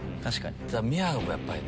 宮野君やっぱりね。